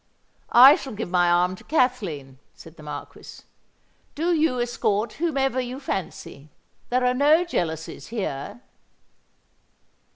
"I shall give my arm to Kathleen," said the Marquis. "Do you escort whomever you fancy. There are no jealousies here."